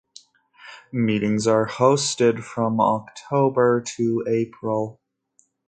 Meetings are hosted from October to April.